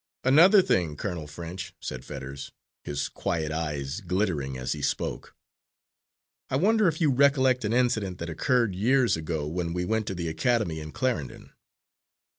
"Another thing, Colonel French," said Fetters, his quiet eyes glittering as he spoke, "I wonder if you recollect an incident that occurred years ago, when we went to the academy in Clarendon?"